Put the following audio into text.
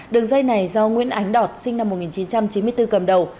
đường dây này do nguyễn ánh đọt sinh năm một nghìn chín trăm chín mươi bốn cầm đầu